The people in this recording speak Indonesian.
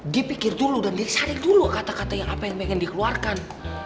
dipikir dulu dan ditarik dulu kata kata yang apa yang ingin dikeluarkan